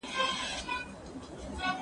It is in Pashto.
هغه وويل چي وخت تېریدل ضروري دي